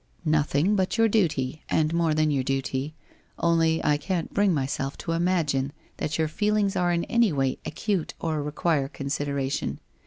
' Nothing but your duty, and more than your duty. Only — I can't bring myself to imagine that your feelings are in any way acute or require consideration.